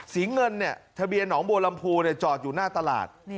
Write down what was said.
เงินเนี่ยทะเบียนหนองบัวลำพูจอดอยู่หน้าตลาด